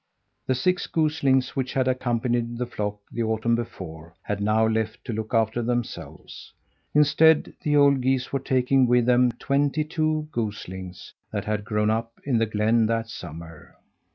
The six goslings which had accompanied the flock the autumn before had now left to look after themselves. Instead, the old geese were taking with them twenty two goslings that had grown up in the glen that summer.